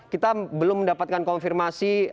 kita belum mendapatkan konfirmasi